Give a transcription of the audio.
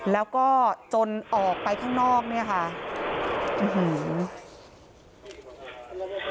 แล้วก็จนออกไปข้างนอกเนี่ยค่ะอื้อหือ